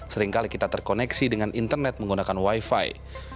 seringkali kita terkoneksi dengan internet menggunakan wifi